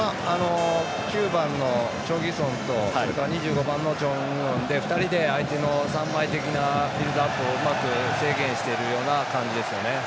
９番のチョ・ギュソンとそれから２５番のチョン・ウヨンで２人で相手の３枚的なビルドアップをうまく制限しているような感じですよね。